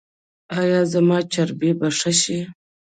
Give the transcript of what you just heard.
ایا زما چربي به ښه شي؟